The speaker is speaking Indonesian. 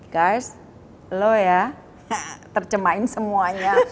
guys lo ya terjemahin semuanya